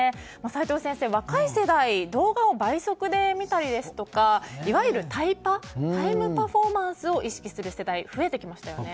齋藤先生、若い世代は動画を倍速で見たりですとかいわゆるタイパタイムパフォーマンスを意識する世代が増えてきましたよね。